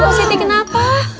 bu siti kenapa